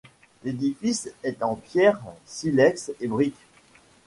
L'édifice est en pierre, silex et brique.